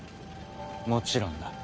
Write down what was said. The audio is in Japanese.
もちろんだ。